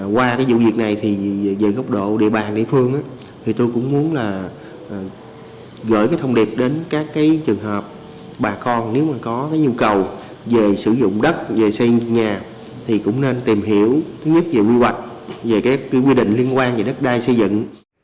qua cái vụ việc này thì về góc độ địa bàn địa phương thì tôi cũng muốn là gửi cái thông điệp đến các cái trường hợp bà con nếu mà có cái nhu cầu về sử dụng đất về xây nhà thì cũng nên tìm hiểu thứ nhất về quy hoạch về cái quy định liên quan về đất đai xây dựng